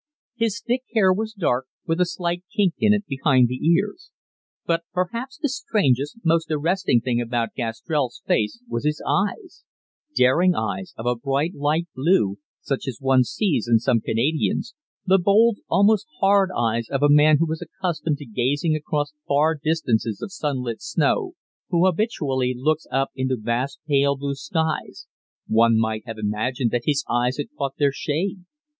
His thick hair was dark, with a slight kink in it behind the ears. But perhaps the strangest, most arresting thing about Gastrell's face was his eyes daring eyes of a bright, light blue, such as one sees in some Canadians, the bold, almost hard eyes of a man who is accustomed to gazing across far distances of sunlit snow, who habitually looks up into vast, pale blue skies one might have imagined that his eyes had caught their shade.